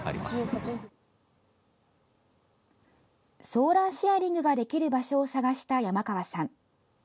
ソーラーシェアリングができる場所を探した山川さん。